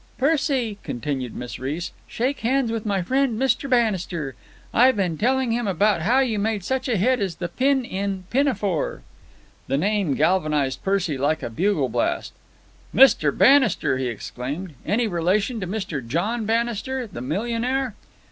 "Percy," continued Miss Reece, "shake hands with my friend Mr. Bannister. I been telling him about how you made such a hit as the pin in 'Pinafore'!" The name galvanized Percy like a bugle blast. "Mr. Bannister!" he exclaimed. "Any relation to Mr. John Bannister, the millionaire?"